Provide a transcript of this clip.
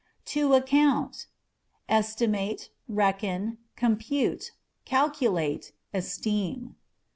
To Account â€" estimate, reckon, compute, calculate, esteem.